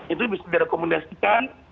itu bisa direkomendasikan